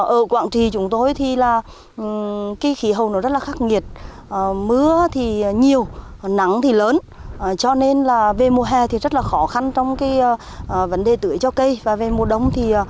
ở quảng trị khí hầu rất khắc nghiệt mưa nhiều nắng lớn cho nên về mùa hè rất khó khăn